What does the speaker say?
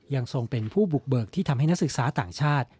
ยังส่งเป็นผู้บุบร์กที่ทำให้นักศึกษาต่างชาติ